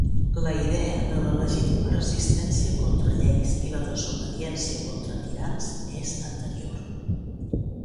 La idea de la legítima resistència contra lleis i la desobediència contra tirans és anterior.